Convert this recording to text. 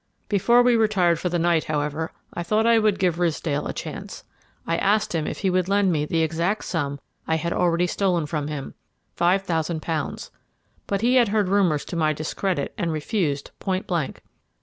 Before we retired for the night, however, I thought I would give Ridsdale a chance. I asked him if he would lend me the exact sum I had already stolen from him, five thousand pounds, but he had heard rumours to my discredit and refused point blank.